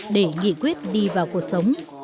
để nghị quyết đi vào cuộc sống